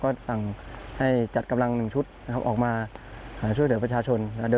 ก็สั่งให้จัดกำลัง๑ชุดนะครับออกมาช่วยเหลือประชาชน